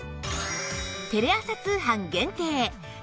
テレ朝通販限定